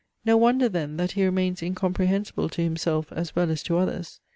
No wonder then, that he remains incomprehensible to himself as well as to others.